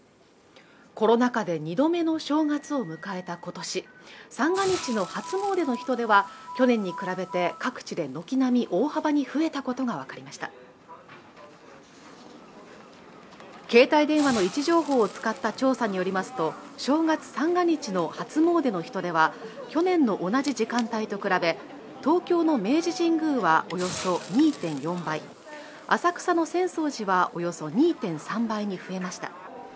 コロナ禍で２度目の正月を迎えた今年３が日の初詣の人出は去年に比べて各地で軒並み大幅に増えたことが分かりました携帯電話の位置情報を使った調査によりますと正月３が日の初詣の人出は去年の同じ時間帯と比べ東京の明治神宮はおよそ２．４倍浅草の浅草寺はおよそ２．３倍に増えました